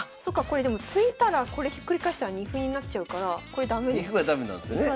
これでも突いたらこれひっくり返したら二歩になっちゃうからこれ駄目ですね。